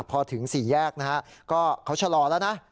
พอถึงสี่แยกนะฮะก็เขาชะลอแล้วนะ